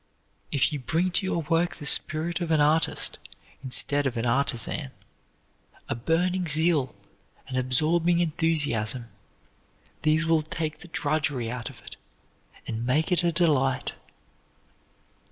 If you bring to your work the spirit of an artist instead of an artisan, a burning zeal, an absorbing enthusiasm, these will take the drudgery out of it and make it a delight.